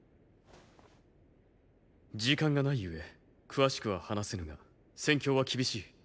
時間がない故詳しくは話せぬが戦況は厳しい。